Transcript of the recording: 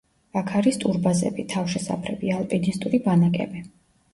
აქ არის ტურბაზები, თავშესაფრები, ალპინისტური ბანაკები.